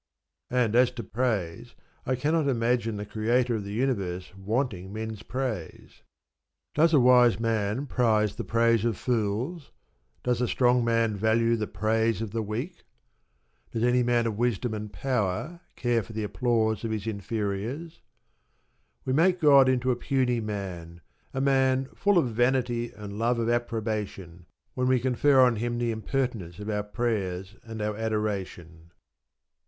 And as to praise, I cannot imagine the Creator of the Universe wanting men's praise. Does a wise man prize the praise of fools? Does a strong man value the praise of the weak? Does any man of wisdom and power care for the applause of his inferiors? We make God into a puny man, a man full of vanity and "love of approbation," when we confer on Him the impertinence of our prayers and our adoration.